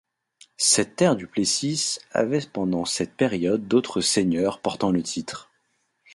Cette terre du Plessis avait pendant cette période d'autres seigneurs portant le titre.